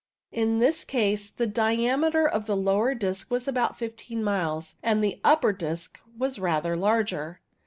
In this case the diameter of the lower disc was about 15 miles, and the upper disc was rather larger.